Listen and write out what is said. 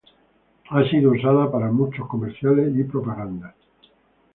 Ha sido usada para muchos comerciales y propagandas.